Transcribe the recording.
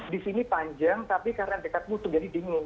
di sini panjang tapi karena dekat mutu jadi dingin